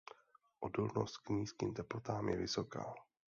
Odolnost k nízkým teplotám je vysoká.